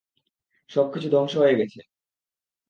সবকিছু ধ্বংস হয়ে গেছে!